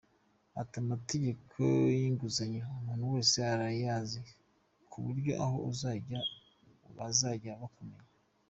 Ati “Amategeko y’inguzanyo umuntu wese arayazi, ku buryo aho uzajya bazajya bakumenya.